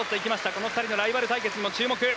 この２人のライバル対決にも注目。